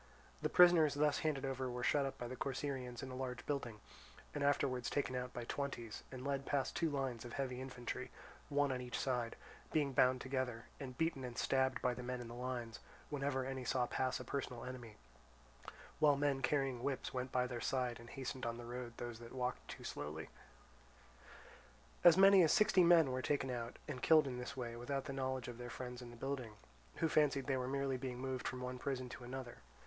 The prisoners thus handed over were shut up by the Corcyraeans in a large building, and afterwards taken out by twenties and led past two lines of heavy infantry, one on each side, being bound together, and beaten and stabbed by the men in the lines whenever any saw pass a personal enemy; while men carrying whips went by their side and hastened on the road those that walked too slowly. As many as sixty men were taken out and killed in this way without the knowledge of their friends in the building, who fancied they were merely being moved from one prison to another.